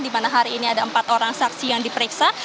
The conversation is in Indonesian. di mana hari ini ada empat orang saksi yang diperiksa